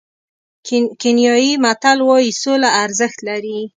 کینیايي متل وایي سوله ارزښت لري.